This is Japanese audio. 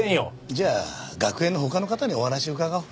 じゃあ学園の他の方にお話伺おう。